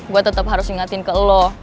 gue tetep harus ingatin ke lo